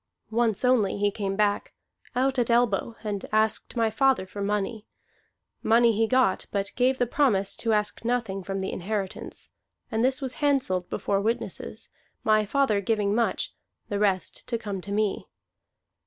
Once only he came back, out at elbow, and asked my father for money. Money he got, but gave the promise to ask nothing from the inheritance; and this was handselled before witnesses, my father giving much, the rest to come to me.